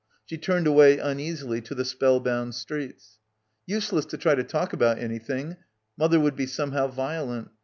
She turned away un easily to the spellbound streets. "Useless to try to talk about anything. ... Mother would be somehow violent.